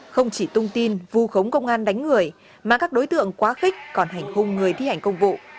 không chỉ tung tin vù khống công an đánh người mà các đối tượng quá khích còn hành hung người thi hành công vụ